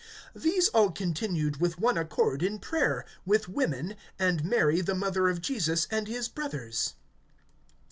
(14)These all continued with one accord in prayer, with women, and Mary the mother of Jesus, and his brothers.